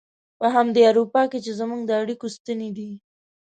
په همدغه اروپا کې چې زموږ د اړيکو ستنې دي.